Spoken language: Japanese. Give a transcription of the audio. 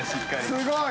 すごい！